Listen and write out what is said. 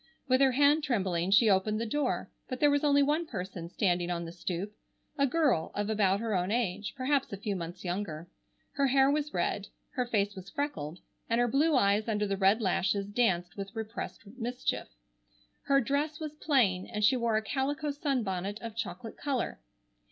With her hand trembling she opened the door, but there was only one person standing on the stoop, a girl of about her own age, perhaps a few months younger. Her hair was red, her face was freckled, and her blue eyes under the red lashes danced with repressed mischief. Her dress was plain and she wore a calico sunbonnet of chocolate color.